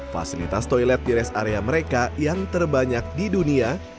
fasilitas toilet di rest area mereka yang terbanyak di dunia